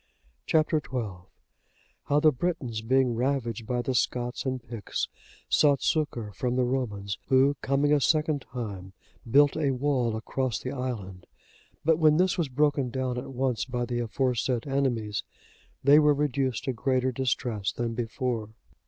Chap. XII. How the Britons, being ravaged by the Scots and Picts, sought succour from the Romans, who coming a second time, built a wall across the island; but when this was broken down at once by the aforesaid enemies, they were reduced to greater distress than before.